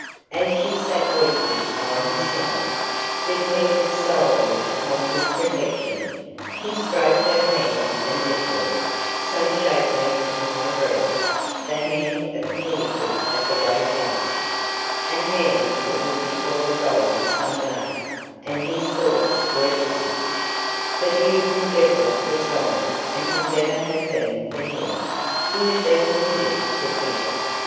As she sat weeping by his side, dependent solely upon his protection, he stroked her hand and looked at it so shapely and high bred, the hand of a Pennycuick of the great house a hand that would be full of gold some day; and his thoughts were busy. The beautiful Deborah was gone, and could never have been for him; he had been an idiot to think it.